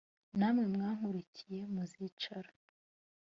namwe mwankurikiye muzicara